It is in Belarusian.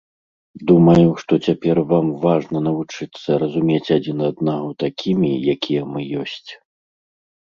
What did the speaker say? Думаю, што цяпер вам важна навучыцца разумець адзін аднаго такімі, якія мы ёсць.